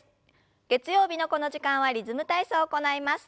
月曜日のこの時間は「リズム体操」を行います。